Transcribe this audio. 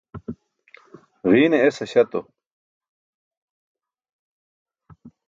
Ġiine es aśatu.